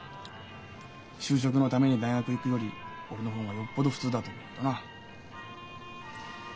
就職のために大学行くより俺の方がよっぽど普通だと思うけどな。